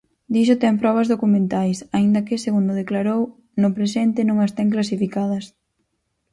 Diso ten probas documentais, aínda que segundo declarou, no presente non as ten "clasificadas".